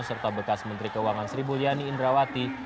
serta bekas menteri keuangan sri mulyani indrawati